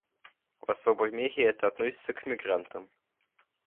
В особой мере это относится к мигрантам.